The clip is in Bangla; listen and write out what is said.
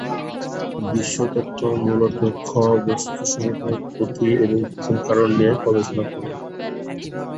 বিশ্বতত্ত্ব মূলত খ-বস্তুসমূহের গতি এবং প্রথম কারণ নিয়ে গবেষণা করে।